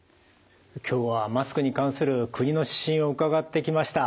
今日はマスクに関する国の指針を伺ってきました。